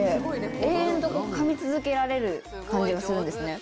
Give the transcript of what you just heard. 永遠と噛み続けられる感じがするんですね。